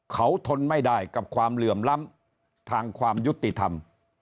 เขาทนไม่ได้กับความเหลื่อมล้ำทางความยุติธรรม